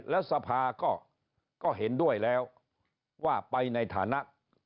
แล้วสภาก็เห็นด้วยแล้วว่าไปในฐานะ